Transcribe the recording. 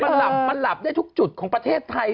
มันหลับได้ทุกจุดของประเทศไทย